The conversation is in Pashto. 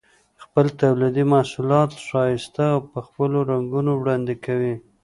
خپل تولیدي محصولات ښایسته او په مختلفو رنګونو وړاندې کوي.